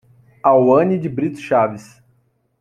Auane de Brito Chaves